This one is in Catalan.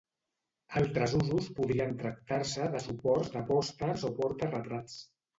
Altres usos podrien tractar-se de suports de pòsters o porta-retrats.